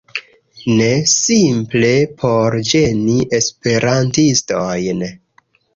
Ne, simple por ĝeni esperantistojn